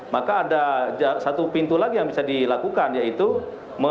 maka ada satu pintu lagi yang bisa dilakukan yaitu